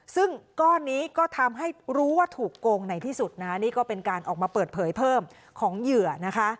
ซึ่งก้อนนี้ก็ทำให้รู้ว่าถูกโกงในที่สุดนะคะนี่ก็เป็นการออกมาเปิดเผยเพิ่มของเหยื่อนะคะ